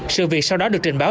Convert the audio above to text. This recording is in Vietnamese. sự việc sau đó được trình báo